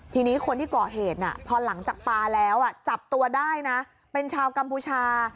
ทีนี้คนที่ก่อเหตุพอหลังจากปลาแล้วจับตัวได้นะเป็นชาวกัมพูชา